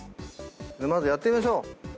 まずやってみましょう。